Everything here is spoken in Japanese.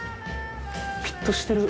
ピッとしてる。